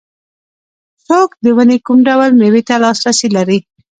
څوک د ونې کوم ډول مېوې ته لاسرسی لري